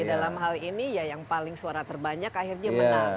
dalam hal ini ya yang paling suara terbanyak akhirnya menang